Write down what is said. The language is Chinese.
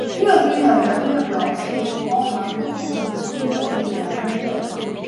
越剧演员列表是一个包含不同时期越剧演员的列表。